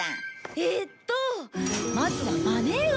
えっとまずはマネー運だな。